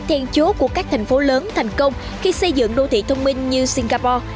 tên chố của các thành phố lớn thành công khi xây dựng đô thị thông minh như singapore